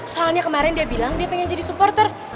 soalnya kemarin dia bilang dia pengen jadi supporter